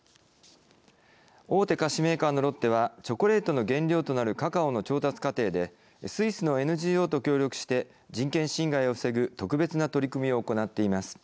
大手菓子メーカーのロッテはチョコレートの原料となるカカオの調達過程でスイスのＮＧＯと協力して人権侵害を防ぐ特別な取り組みを行っています。